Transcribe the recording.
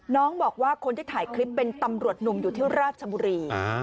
น้องบอกว่าคนที่ถ่ายคลิปเป็นตำรวจหนุ่มอยู่ที่ราชบุรี